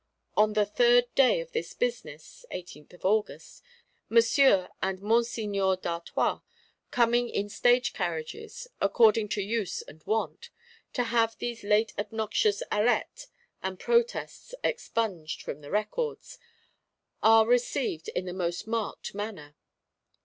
On the third day of this business (18th of August), Monsieur and Monseigneur d'Artois, coming in state carriages, according to use and wont, to have these late obnoxious Arrêtés and protests "expunged" from the Records, are received in the most marked manner.